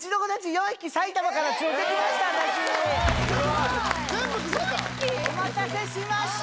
４匹⁉お待たせしました！